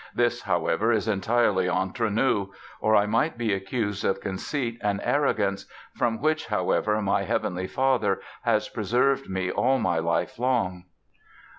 This, however, is entirely entre nous; or I might be accused of conceit and arrogance, from which, however, my Heavenly Father has preserved me all my life long."